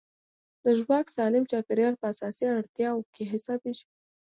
د ژواک سالم چاپېریال په اساسي اړتیاوو کې حسابېږي.